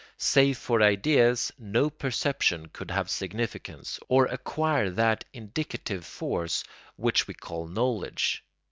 Save for ideas no perception could have significance, or acquire that indicative force which we call knowledge.